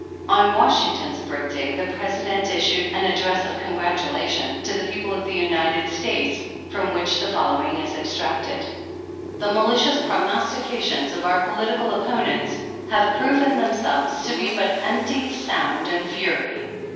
On Washington's Birthday the President issued an 26 Address of Congratulation to the People of the United States, from which the following is extracted : The malicious prognostications of our political opponents have proven themselves to be but empty sound and fury.